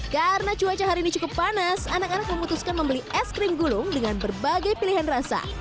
karena cuaca hari ini cukup panas anak anak memutuskan membeli es krim gulung dengan berbagai pilihan rasa